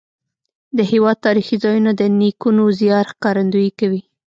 د هېواد تاریخي ځایونه د نیکونو زیار ښکارندویي کوي.